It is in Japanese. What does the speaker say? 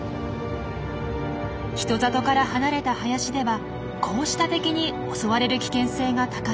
人里から離れた林ではこうした敵に襲われる危険性が高いんです。